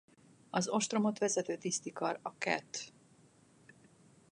Az ostromot vezető tisztikar a kath.